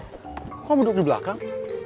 kok duduk di belakang